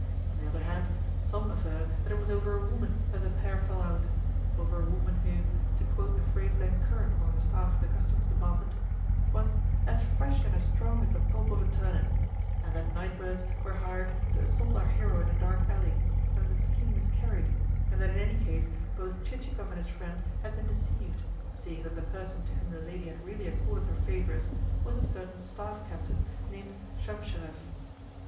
On the other hand, some aver that it was over a woman that the pair fell out over a woman who, to quote the phrase then current among the staff of the Customs Department, was "as fresh and as strong as the pulp of a turnip," and that night birds were hired to assault our hero in a dark alley, and that the scheme miscarried, and that in any case both Chichikov and his friend had been deceived, seeing that the person to whom the lady had really accorded her favours was a certain staff captain named Shamsharev.